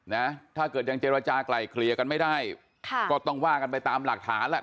นะถ้าเกิดยังเจรจากลายเคลียร์กันไม่ได้ค่ะก็ต้องว่ากันไปตามหลักฐานแหละ